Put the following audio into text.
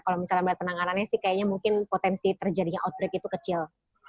kalau misalnya melihat penanganannya sih kayaknya mungkin potensi terjadinya outbreak itu kecil